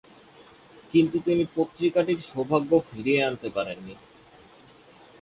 কিন্তু তিনি পত্রিকাটির সৌভাগ্য ফিরিয়ে আনতে পারেননি।